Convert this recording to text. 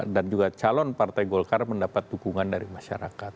dan juga calon partai golkar mendapat dukungan dari masyarakat